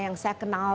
yang saya kenal